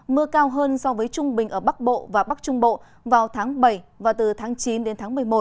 mưa cao hơn so với trung bình ở bắc bộ và bắc trung bộ vào tháng bảy và từ tháng chín đến tháng một mươi một